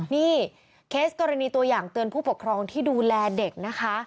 นี่เคสกรณีตัวอย่างเตือนผู้ปกครองที่ดูแลเด็กนะคะ